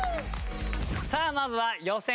さあまずは予選